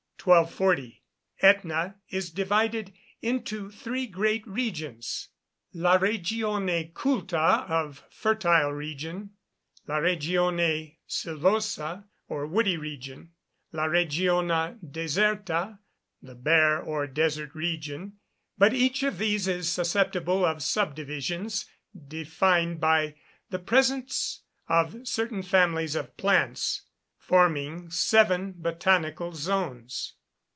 1240. Etna is divided into three great regions: La Regione Culta, or fertile region; La Regione Sylvosa, or woody region; La Regione Deserta, the bare or desert region. But each of these is susceptible of sub divisions, defined by the presence of certain families of plants, forming seven botanical zones.